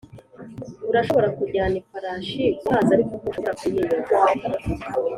urashobora kujyana ifarashi kumazi ariko ntushobora kuyinywa.